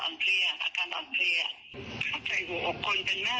ในสภาพที่จะต้องอยู่ในสภาพใช่ไหม